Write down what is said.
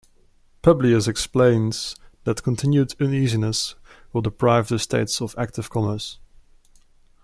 Publius explains that continued uneasiness will deprive the States of active commerce.